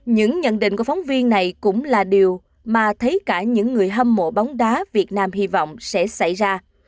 những nhận định của phóng viên này cũng là điều mà thấy cả những người hâm mộ bóng đá việt nam hy vọng sẽ xảy ra